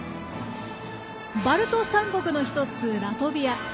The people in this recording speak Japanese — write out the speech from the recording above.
バルト三国の１つラトビア。